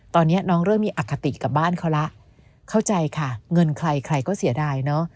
ตอนนี้น้องเริ่มมีอคติกับบ้านเขาแล้วเข้าใจค่ะเงินใครใครก็เสียดายเนอะ